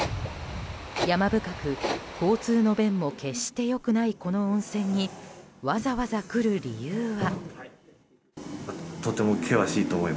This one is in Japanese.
山深く、交通の便も決して良くないこの温泉にわざわざ来る理由は？